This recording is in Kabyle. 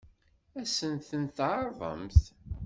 Ad sen-ten-tɛeṛḍemt?